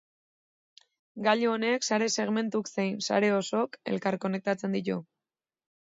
Gailu honek sare-segmentuak zein sare osoak elkar konektatzen ditu.